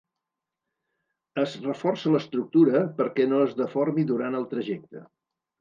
Es reforça l’estructura perquè no es deformi durant el trajecte.